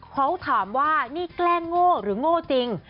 เขาถามว่านี่แกล้งโง่หรือโง่จริง